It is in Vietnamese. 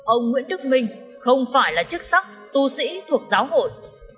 ông nguyễn đức minh không phải là chức sắc tu sĩ thuộc giáo hội